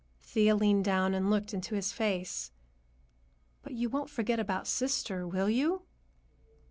Thea leaned down and looked into his face. "But you won't forget about sister, will you?"